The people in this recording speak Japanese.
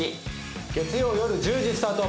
月曜夜１０時スタート。